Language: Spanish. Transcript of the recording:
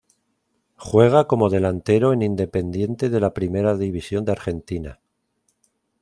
Juega como delantero en Independiente de la Primera División de Argentina.